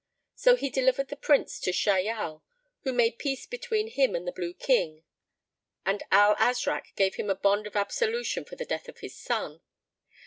So he delivered the Prince to Shahyal, who made peace between him and the Blue King, and Al Azrak gave him a bond of absolution for the death of his son.